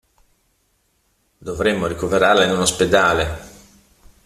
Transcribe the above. Dovemmo ricoverarla in un ospedale.